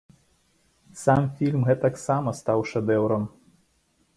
Сам фільм гэтаксама стаў шэдэўрам.